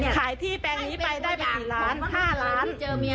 ขายที่แปลงนี้ไปได้ไปกี่ล้านห้าล้าน